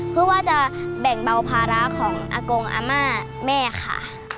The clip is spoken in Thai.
เพื่อว่าจะแบ่งเบาภาระของอากงอาม่าแม่ค่ะ